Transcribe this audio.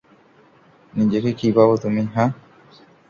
নিজেকে কি ভাবো তুমি হাহ?